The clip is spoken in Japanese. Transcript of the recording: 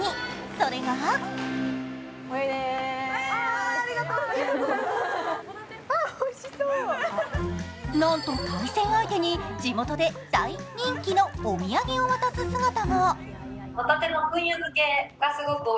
それがなんと対戦相手に地元で大人気のお土産を渡す姿が。